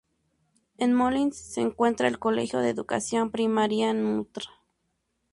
En Molins se encuentra el colegio de educación primaria Ntra.